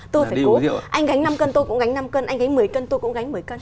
tôi phải cố anh gánh năm cân tôi cũng gánh năm cân anh một mươi cân tôi cũng gánh một mươi cân